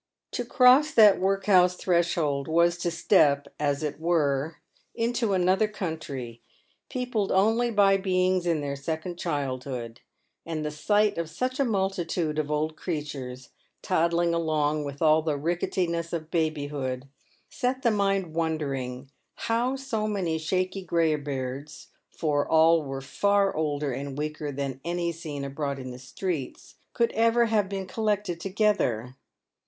To' cross that workhouse threshold was to step, as it were, into another country, peopled only by beings in their second childhood ; and the sight of such a multitude of old creatures, toddling along with all the ricketiness of babyhood, set the mind wondering how so many shaky greybeards — for all were far older and weaker than any seen abroad in the streets — could ever have been collected together.